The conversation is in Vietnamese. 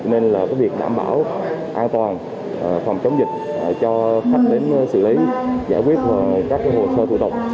nên là việc đảm bảo an toàn phòng chống dịch cho khách đến xử lý giải quyết các hồ sơ thủ tục